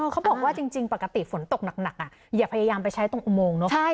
เขาบอกว่าจริงปกติฝนตกหนักอย่าพยายามไปใช้ตรงอุโมงเนอะ